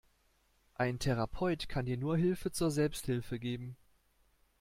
Ein Therapeut kann dir nur Hilfe zur Selbsthilfe geben.